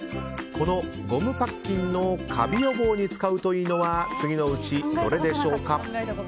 このゴムパッキンのカビ予防に使うといいのは次のうちどれでしょうか。